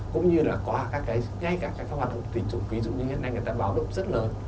cũng như là có các cái ngay cả các hoạt động tình dục ví dụ như hiện nay người ta báo động rất lớn